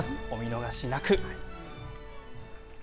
お見逃しなく。